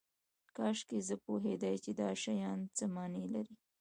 کاشکې زه پوهیدای چې دا شیان څه معنی لري